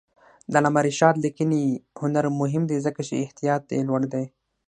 د علامه رشاد لیکنی هنر مهم دی ځکه چې احتیاط یې لوړ دی.